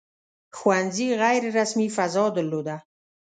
• ښوونځي غیر رسمي فضا درلوده.